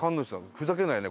ふざけないね